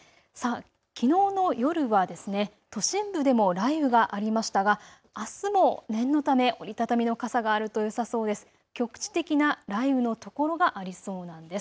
きのうの夜は都心部でも雷雨がありましたが、あすも念のため折り畳みの傘があるとよさそうです、局地的な雷雨の所がありそうなんです。